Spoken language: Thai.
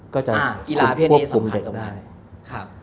ก็จะควบคุมเด็กตรงนั้น